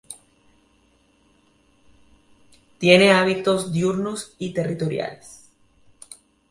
Tiene hábitos diurnos y territoriales.